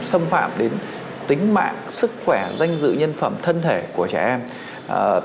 xâm phạm đến tính mạng sức khỏe danh dự nhân phẩm thân thể của trẻ em